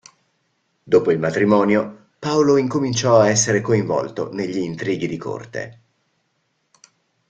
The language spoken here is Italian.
Dopo il matrimonio, Paolo incominciò ad essere coinvolto negli intrighi di corte.